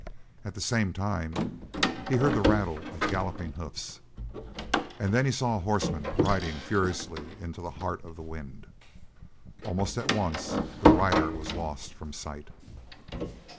At the same time he heard the rattle of galloping hoofs, and then he saw a horseman riding furiously into the heart of the wind. Almost at once the rider was lost from sight.